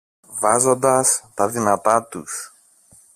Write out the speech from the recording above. βάζοντας τα δυνατά τους